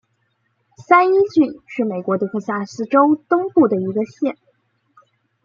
三一郡是美国德克萨斯州东部的一个县。